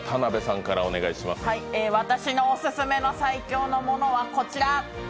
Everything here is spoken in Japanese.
私のオススメの最強なものはこちら。